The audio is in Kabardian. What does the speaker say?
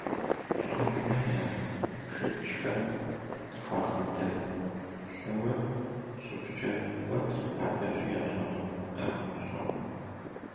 Щӏалэхэм я бжыкӀхэр къыхуагъэдалъэурэ щӀыбкӀэ икӀуэтырт, адэкӀэ ящӀэнур къахуэмыщӀэу.